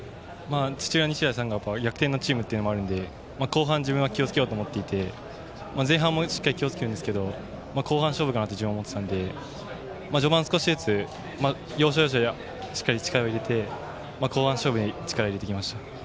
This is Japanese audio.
土浦日大さんが逆転のチームというのもあるので後半、自分は気をつけようと思っていて前半も気をつけるんですけど後半勝負かなと自分は思っていたので序盤少しずつ、要所要所しっかり力を入れて後半勝負に力を入れていきました。